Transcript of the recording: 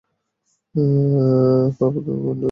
পাপপু দরজায় জ্যাম।